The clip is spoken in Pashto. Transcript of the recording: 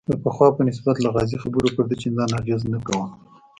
د پخوا په نسبت لغازي خبرو پر ده چندان اغېز نه کاوه.